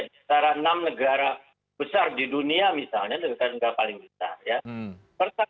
di antara enam negara besar di dunia misalnya negara negara paling besar ya